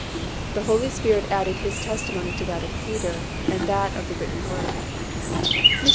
The Holy Spirit added His testimony to that of Peter and that of the written Word. Mr.